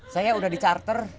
saya udah di charter